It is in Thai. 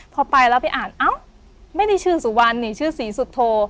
พอไปแล้วไปอ่านเอ้าไม่ได้ชื่อสุวรรณนี่ชื่อศรีสุโธ